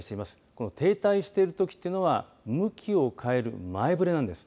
この停滞しているときというのは向きを変える前触れなんです。